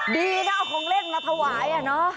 ดีนะเอาของเล่นมาถวาย